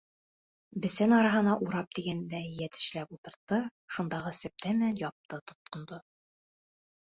Бесән араһына урап тигәндәй йәтешләп ултыртты, шундағы септә менән япты тотҡондо.